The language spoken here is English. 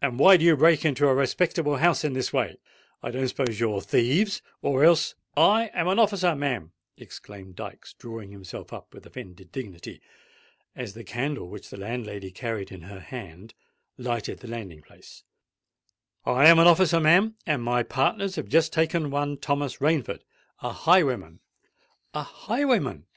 and why do you break into a respectable house in this way? I don't suppose you're thieves—or else——" "I am an officer, ma'am," exclaimed Dykes, drawing himself up with offended dignity, as the candle which the landlady carried in her hand lighted the landing place:—"I am an officer, ma'am—and my partners have just taken one Thomas Rainford, a highwayman——" "A highwayman!"